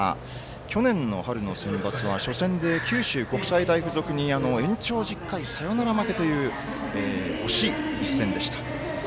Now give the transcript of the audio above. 去年の春のセンバツは初戦で九州国際大付属に延長１０回サヨナラ負けという惜しい一戦でした。